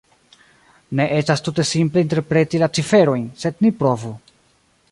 Ne estas tute simple interpreti la ciferojn, sed ni provu.